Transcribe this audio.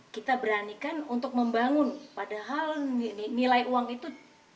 kita beranikan untuk membangun padahal nilai uang itu